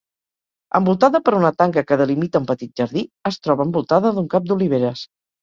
Envoltada per una tanca que delimita un petit jardí, es troba envoltada d'un camp d'oliveres.